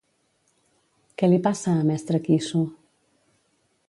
Què li passa a Mestre Quissu?